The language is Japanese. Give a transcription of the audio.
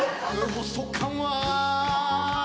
「細川」